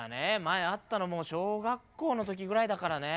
前会ったのも小学校の時ぐらいだからね。